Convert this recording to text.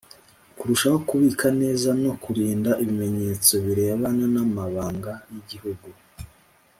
Kurushaho kubika neza no kurinda ibimenyetso birebana namabamga yigihugu